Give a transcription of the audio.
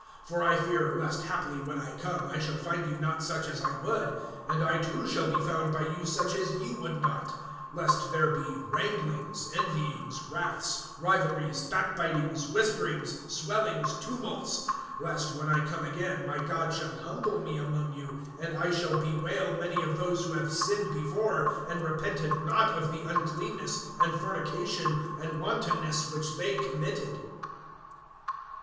(20)For I fear, lest haply, when I come, I shall find you not such as I would, and I too shall be found by you such as ye would not; lest there be wranglings, envyings, wraths, rivalries, backbitings, whisperings, swellings, tumults; (21)lest, when I come again, my God shall humble me among you, and I shall bewail many of those who have sinned before, and repented not of the uncleanness, and fornication, and wantonness, which they committed.